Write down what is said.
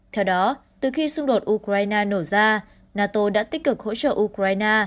theo đó từ khi xung đột ukraine nổ ra nato đã tích cực hỗ trợ ukraine